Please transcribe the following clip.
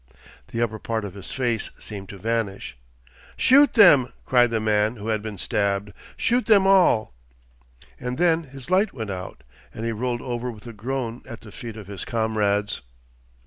The upper part of his face seemed to vanish. 'Shoot them,' cried the man who had been stabbed. 'Shoot them all!' And then his light went out, and he rolled over with a groan at the feet of his comrades.